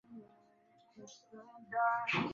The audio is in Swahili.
ya kuimarisha euro katika soko la dunia